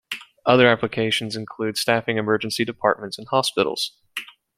Other applications include staffing emergency departments in hospitals.